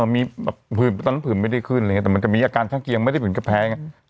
มีแบบผื่นตอนนั้นผื่นไม่ได้ขึ้นอะไรอย่างนี้แต่มันจะมีอาการข้างเคียงไม่ได้ผืนกระแพง